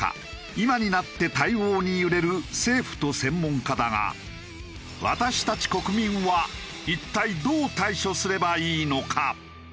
今になって対応に揺れる政府と専門家だが私たち国民は一体どう対処すればいいのか？